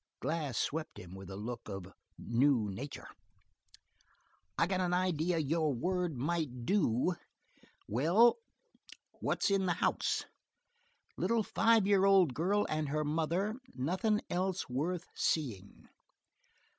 Glass swept him with a look of a new nature. "I got an idea your word might do. Well, what's in the house?" "A little five year old girl and her mother; nothing else worth seeing."